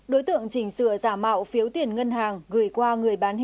đối tượng chỉnh sửa giả mạo phiếu tiền ngân hàng